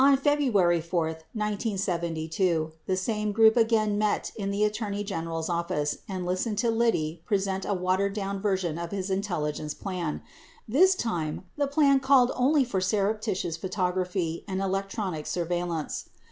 THE FEBRUARY 4, 1972 MEETING On February 4, 1972, the same group again met in the Attorney General's office and listened to Liddy present a watered down version of his intelligence plan. This time the plan called only for surrepti tious photography and electronic surveillance.